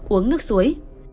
uống nước suối